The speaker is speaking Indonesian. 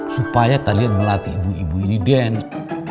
supaya kalian melatih ibu ibu ini dance